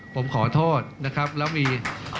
ผมขอโทษนะครับแล้วมี